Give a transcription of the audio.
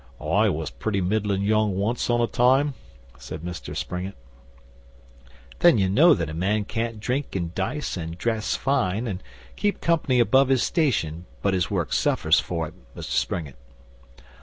'I was pretty middlin' young once on a time,' said Mr Springett. 'Then ye know that a man can't drink and dice and dress fine, and keep company above his station, but his work suffers for it, Mus' Springett.